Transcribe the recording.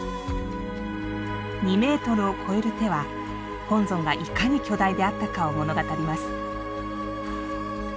２メートルを超える手は本尊が、いかに巨大であったかを物語ります。